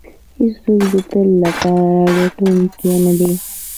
هېڅوک د تل لپاره ګټونکی نه دی.